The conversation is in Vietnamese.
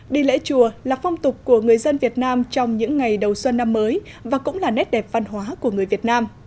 đi lễ chùa là phong tục của người dân việt nam trong những ngày đầu xuân năm mới và cũng là nét đẹp văn hóa của người việt nam